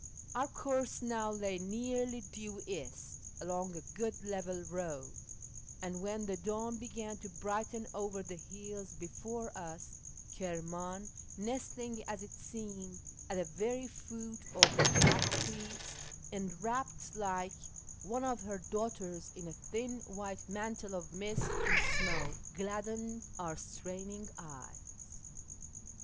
Our course now lay nearly due east, along a good level road ; and when the dawn began to brighten over the hills before us, Kirman, nestling, as it seemed, at the very foot of their black cliffs, and wrapped like FROM YEZD TO KIRMAn 429 one of her own daughters in a thin white mantle of mist and smoke, gladdened our straining eyes.